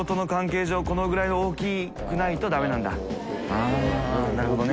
あっなるほどね。